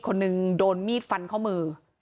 คนหนึ่งโดนมีดฟันข้อมือ